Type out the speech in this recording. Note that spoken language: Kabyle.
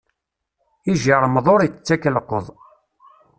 Ijiṛmeḍ ur ittak llqeḍ.